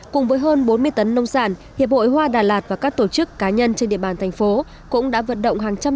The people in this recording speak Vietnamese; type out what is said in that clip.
cùng với hơn bốn mươi tấn nông sản hiệp hội hoa đà lạt và các tổ chức cá nhân trên địa bàn thành phố cũng đã vận động hàng trăm